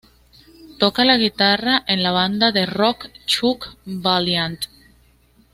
Toca la guitarra en la banda de rock "Chuck Valiant".